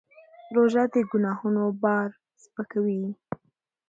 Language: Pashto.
روژه د ګناهونو بار سپکوي.